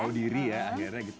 tahu diri ya akhirnya gitu